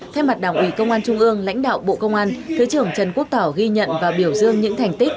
thay mặt đảng ủy công an trung ương lãnh đạo bộ công an thứ trưởng trần quốc tỏ ghi nhận và biểu dương những thành tích